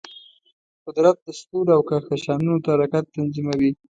قدرت د ستورو او کهکشانونو حرکت تنظیموي.